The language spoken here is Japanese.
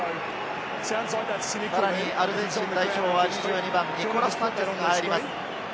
アルゼンチン代表はニコラス・サンチェスが入ります。